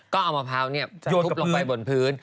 ก็เอามะพร้าวทุบลงไปบนพื้น